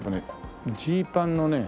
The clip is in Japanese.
ジーパンのね